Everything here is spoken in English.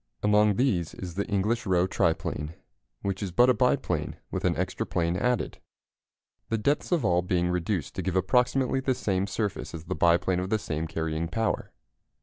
Among these is the English Roe triplane, which is but a biplane with an extra plane added; the depths of all being reduced to give approximately the same surface as the biplane of the same carrying power.